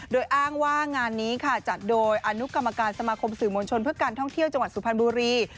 โดยอ้างว่างานนี้ค่ะจัดโดยอนุกรรมการสมาคมสื่อมวลชนเพื่อการท่องเที่ยวจังหวัดสุพรรณบุรี